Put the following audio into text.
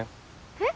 えっ？